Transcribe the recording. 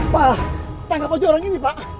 wah tangkap aja orang ini pak